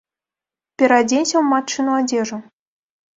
Пераадзенься ў матчыну адзежу.